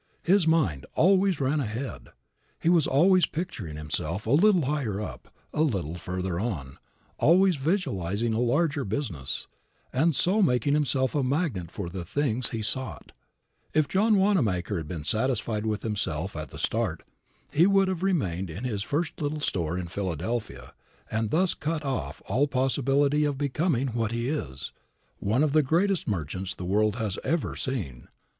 His mind always ran ahead. He was always picturing himself a little higher up, a little further on, always visualizing a larger business, and so making himself a magnet for the things he sought. If John Wanamaker had been satisfied with himself at the start he would have remained in his first little store in Philadelphia, and thus cut off all possibility of becoming what he is one of the greatest merchants the world has ever seen.